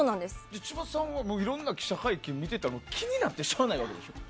千葉さんはいろんな記者会見を見てたら気になってしゃあないわけでしょ。